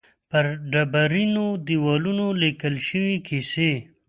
پر ډبرینو دېوالونو لیکل شوې کیسې.